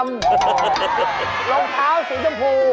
รองเท้าสีชมพู